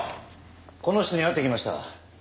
この人に会ってきました。